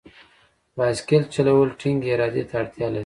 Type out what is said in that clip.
بایسکل چلول ټینګې ارادې ته اړتیا لري.